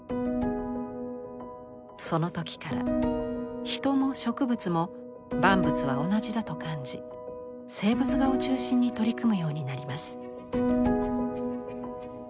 その時から「人も植物も万物は同じだ」と感じ静物画を中心に取り組むようになります。